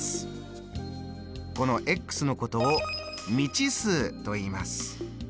こののことを未知数といいます。